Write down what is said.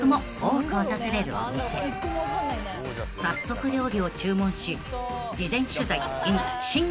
［早速料理を注文し］